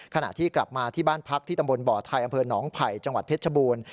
ขณะที่กลับมาที่บ้านพักที่ตำบลบ่อไทยอำเภอหนองไผ่จังหวัดเพชรชบูรณ์